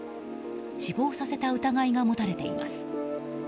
死亡させた疑いが持たれています。